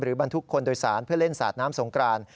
บรรทุกคนโดยสารเพื่อเล่นสาดน้ำสงกราน